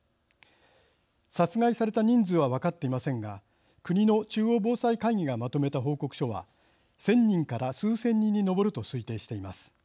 殺害された人数は分かっていませんが国の中央防災会議がまとめた報告書は１，０００人から数千人に上ると推定しています。